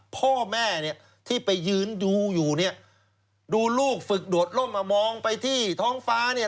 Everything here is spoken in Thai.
พ่อแม่เนี่ยที่ไปยืนดูอยู่เนี่ยดูลูกฝึกโดดล่มมามองไปที่ท้องฟ้าเนี่ย